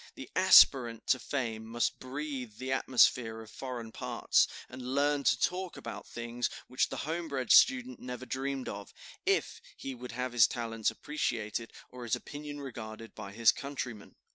The aspirant to fame must breathe the atmosphere of foreign parts, and learn to talk about things which the homebred student never dreamed of, if he would have his talents appreciated or his opinion regarded by his countrymen.